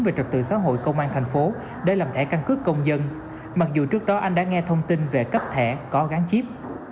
về trật tự xã hội công an thành phố để làm thẻ căn cước công dân mặc dù trước đó anh đã nghe thông tin về cấp thẻ có gắn chip